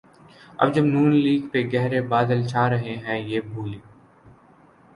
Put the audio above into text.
اب جب N League پہ گہرے بادل چھا رہے ہیں‘ یہ بھولی